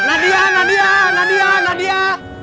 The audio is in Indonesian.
nadia nadia nadia nadia